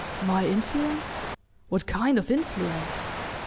"My influence? What kind of influence?"